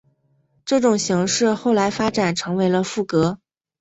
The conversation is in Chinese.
这种形式后来发展成为了赋格。